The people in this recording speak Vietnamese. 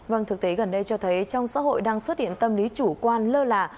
vâng thực tế gần đây cho thấy trong xã hội đang xuất hiện tâm lý chủ quan lơ là